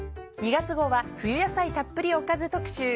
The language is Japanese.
２月号は「冬野菜たっぷりおかず」特集。